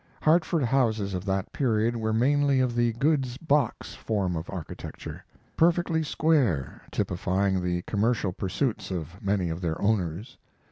Hartford houses of that period were mainly of the goods box form of architecture, perfectly square, typifying the commercial pursuits of many of their owners.